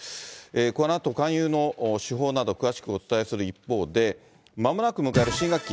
このあと、勧誘の手法など、詳しくお伝えする一方で、まもなく迎える新学期。